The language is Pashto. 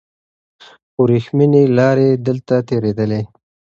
وریښمینې لارې دلته تېرېدلې.